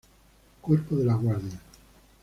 Cuerpo de la Guardia.